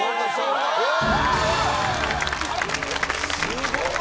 すごい！